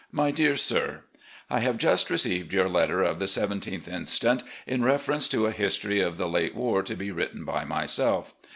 "My Dear Sir: I have just received your letter of the 17th inst., in reference to a history of the late war to be written by myself.